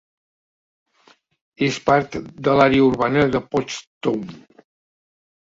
És part de l'àrea urbana de Pottstown.